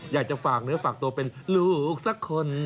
อยากจะฝากเนื้อฝากตัวเป็นลูกสักคน